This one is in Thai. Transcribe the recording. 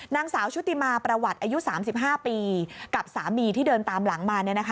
นางสาวชุติมาประวัติอายุ๓๕ปีกับสามีที่เดินตามหลังมา